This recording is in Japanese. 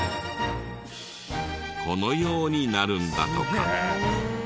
このようになるんだとか。